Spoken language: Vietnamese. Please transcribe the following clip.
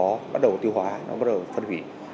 nó bắt đầu tiêu hóa nó bắt đầu phân hủy